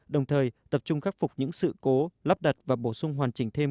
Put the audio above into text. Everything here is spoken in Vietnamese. đồng thời tập trung khắc phục những sự cố lắp đặt và bổ sung hoàn chỉnh thêm